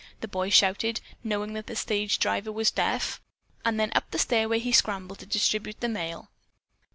the boy shouted, knowing that the stage driver was deaf, and then up the stairway he scrambled to distribute the mail.